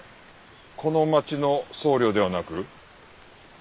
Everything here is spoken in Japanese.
この町の僧侶ではなく？